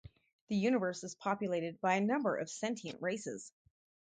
The universe is populated by a number of sentient races.